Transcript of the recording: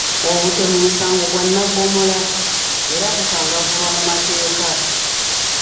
Obutemu musango gwa nnaggomola era gukangavvulwa mu mateeka.